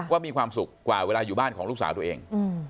มีความสุขกว่าเวลาอยู่บ้านของลูกสาวตัวเอง